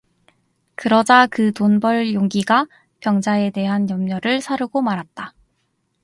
그러자 그 돈 벌 용기가 병자에 대한 염려를 사르고 말았다.